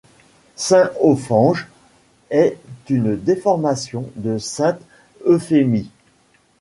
Saint Offenge est une déformation de Sainte Euphémie.